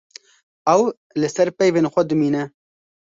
Ew li ser peyvên xwe dimîne.